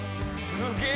すげえ